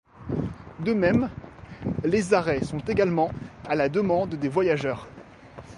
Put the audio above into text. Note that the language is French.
De même, les arrêts sont également à la demande des voyageurs.